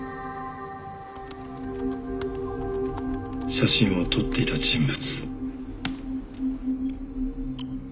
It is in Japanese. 写真を撮っていた人物。